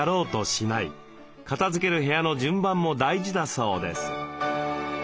片づける部屋の順番も大事だそうです。